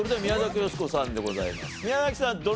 宮崎さん